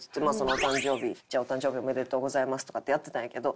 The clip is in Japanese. お誕生日「お誕生日おめでとうございます」とかってやってたんやけど。